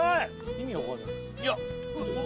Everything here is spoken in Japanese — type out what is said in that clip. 意味わかんない。